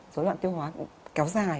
dối loạn tiêu hóa kéo dài